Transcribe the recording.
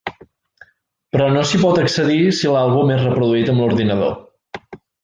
Però no s'hi pot accedir si l'àlbum és reproduït amb l'ordinador.